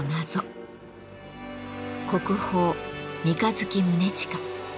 国宝「三日月宗近」。